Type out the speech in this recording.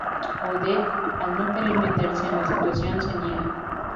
Odette, al no querer meterse en la situación, se niega.